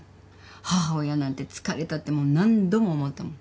母親なんて疲れたってもう何度も思ったもん。